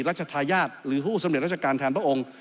ราชทายาทหรือผู้สำเร็จราชการแทนพระองค์